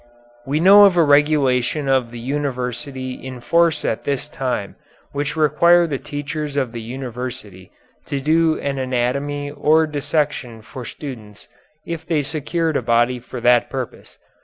We know of a regulation of the University in force at this time, which required the teachers at the University to do an anatomy or dissection for students if they secured a body for that purpose.